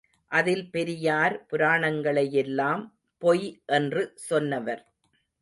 அதில் பெரியார் புராணங்களையெல்லாம் பொய் என்று சொன்னவர்.